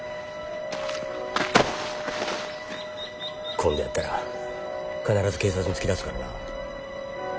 今度やったら必ず警察に突き出すからな！